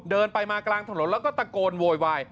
เดินไปมากลางถนนแล้วก็ตะโกนโวยวาย